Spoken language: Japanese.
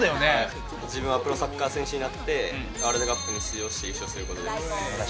自分はプロサッカー選手になって、ワールドカップに出場して優勝することです。